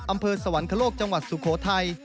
อำเภอสวรรค์คันโลกจังหวัดสุโขทัย